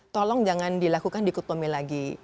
tolong jangan dilakukan di kutomi lagi